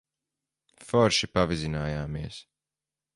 Forši pavizinājāmies.